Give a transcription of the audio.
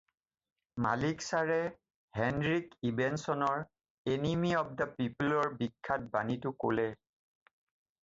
"মালিক চাৰে হেনৰিক ইবচেনৰ "এনিমী অৱ দা পিপোল"ৰ বিখ্যাত বাণীটো ক'লে।"